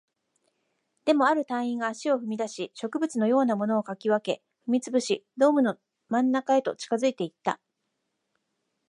でも、ある隊員が足を踏み出し、植物のようなものを掻き分け、踏み潰し、ドームの真ん中へと近づいていった